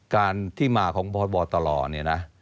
การที่มาของพบตลเนี่ยนะ